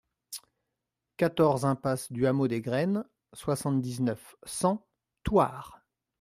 quatorze impasse du Hameau des Graines, soixante-dix-neuf, cent, Thouars